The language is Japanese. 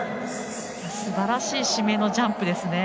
すばらしい締めのジャンプですね。